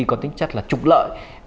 có tính chất là trụng lợi